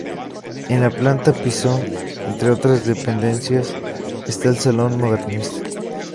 En la planta piso, entre otras dependencias, está el salón modernista.